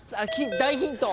大ヒント！